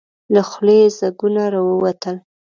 له خولې يې ځګونه راووتل.